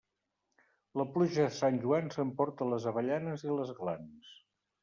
La pluja de Sant Joan s'emporta les avellanes i les glans.